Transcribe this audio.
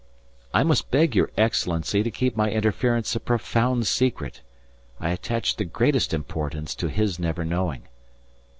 "I must beg your Excellency to keep my interference a profound secret. I attach the greatest importance to his never knowing..."